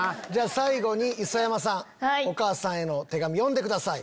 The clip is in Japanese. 最後に磯山さんお母さんへの手紙読んでください。